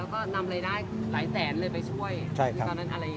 เองแล้วก็นำรายได้หลายแสนเลยไปช่วยใช่ครับตอนนั้นอะไรอย่างเงี้ย